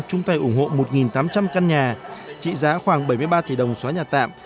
chung tay ủng hộ một tám trăm linh căn nhà trị giá khoảng bảy mươi ba tỷ đồng xóa nhà tạm